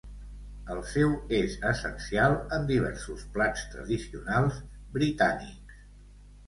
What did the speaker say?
El sèu és essencial en diversos plats tradicionals britànics.